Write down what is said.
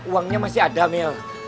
uangnya masih ada mel